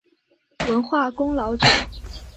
文化功劳者。